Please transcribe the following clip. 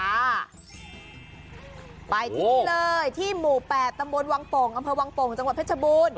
ไปที่นี่เลยที่หมู่๘ตำบลวังโป่งอำเภอวังโป่งจังหวัดเพชรบูรณ์